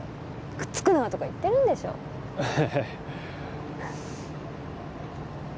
くっつくなとか言ってるんでしょええ